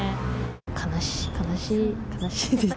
悲しい、悲しいです。